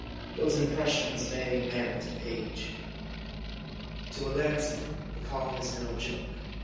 Those impressions may merit a page. To a landsman a calm is no joke.